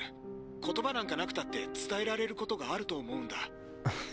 言葉なんかなくなって伝えられることがあると思うんだ。